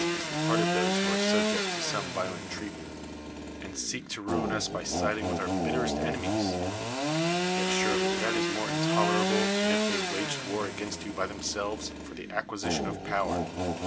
is Iho part of those who are subject to sonie violent trvjaliuent), and seek to ruin us by siding v.ith our bittei'est eiu> uiies? Yet surely that is more intolerahle than if they waged war against you by thi inselves J'or the acfpiisition of iH)\v('r.